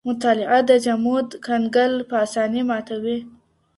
مطالعه د جمود کنګل په اسانۍ ماتوي.